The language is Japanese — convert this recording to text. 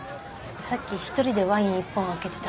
さっき一人でワイン１本あけてた。